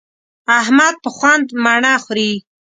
احمد په خوند مڼه خوري.